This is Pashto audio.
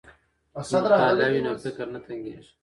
که مطالعه وي نو فکر نه تنګیږي.